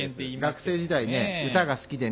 学生時代歌が好きでね。